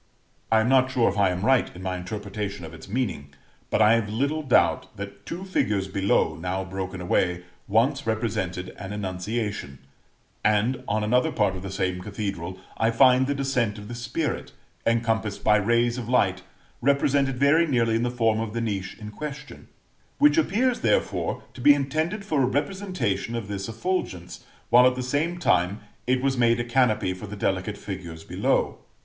I am not sure if I am right in my interpretation of its meaning, but I have little doubt that two figures below, now broken away, once represented an Annunciation; and on another part of the same cathedral, I find the descent of the Spirit, encompassed by rays of light, represented very nearly in the form of the niche in question; which appears, therefore, to be intended for a representation of this effulgence, while at the same time it was made a canopy for the delicate figures below.